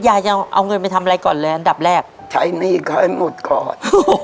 ยายจะเอาเงินไปทำอะไรก่อนเลยอันดับแรกใช้หนี้เขาให้หมดก่อน